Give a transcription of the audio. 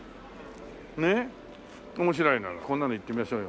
ねえ面白いこんなのいってみましょうよ。